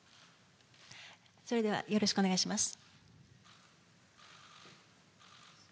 それではよろしくお願いします。